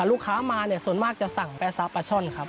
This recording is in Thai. ลูกค้ามาส่วนมากจะสั่งแป๊สะปาช่อนครับ